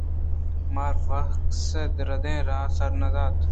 ما وَ کس رَدیں راہ ءَ سر نہ دات